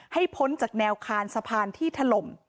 พ้นจากแนวคานสะพานที่ถล่ม